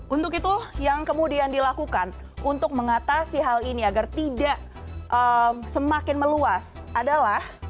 untuk itu yang kemudian dilakukan untuk mengatasi hal ini agar tidak semakin meluas adalah